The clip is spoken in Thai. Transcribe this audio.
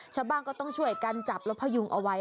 ชาวบ้านก็ต้องช่วยกันจับแล้วพยุงเอาไว้